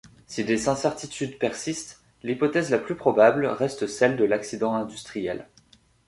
Si des incertitudes persistent, l'hypothèse la plus probable reste celle de l'accident industriel.